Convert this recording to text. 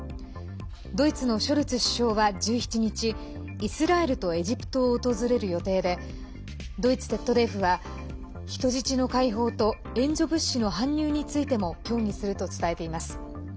ドイツのショルツ首相は１７日イスラエルとエジプトを訪れる予定でドイツＺＤＦは人質の解放と援助物資の搬入についても協議すると伝えています。